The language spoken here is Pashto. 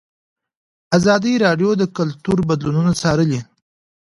ازادي راډیو د کلتور بدلونونه څارلي.